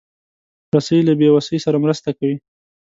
رسۍ له بېوسۍ سره مرسته کوي.